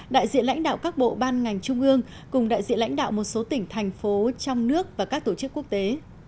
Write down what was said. đại diện lãnh đạo các bộ ban ngành trung ương cùng đại diện lãnh đạo một số tỉnh thành phố trong nước và các tổ chức quốc tế